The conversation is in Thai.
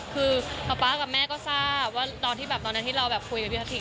คือป๊ากับแม่ก็ทราบว่าตอนที่เราคุยกับพี่ทัศน์